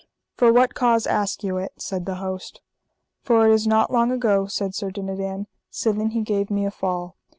For what cause ask you it? said the host. For it is not long ago, said Sir Dinadan, sithen he gave me a fall.